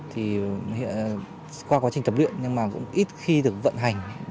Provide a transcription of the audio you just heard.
thì qua quá trình tập luyện nhưng mà cũng ít khi được vận hành